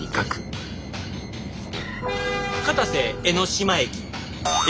「片瀬江ノ島駅」。